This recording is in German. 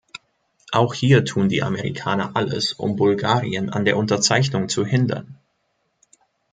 Auch hier tun die Amerikaner alles, um Bulgarien an der Unterzeichnung zu hindern.